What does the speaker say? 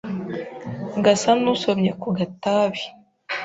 Ngasa nusomye ku gatabi